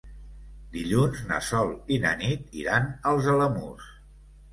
Dilluns na Sol i na Nit iran als Alamús.